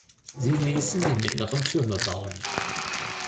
Sie ließen die mittleren Türme bauen.